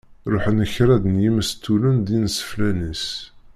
Ṛuḥen kṛaḍ n yimestulen d iseflan-is.